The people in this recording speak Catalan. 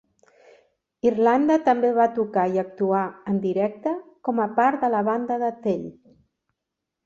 Irlanda també va tocar i actuar en directe com a part de la banda de Tell.